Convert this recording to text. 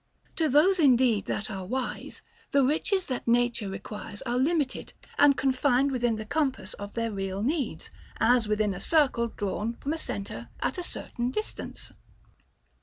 To those indeed that are wise, the riches that Nature requires are limited, and confined within the compass of their real needs, as within a circle drawn from a centre at a certain distance.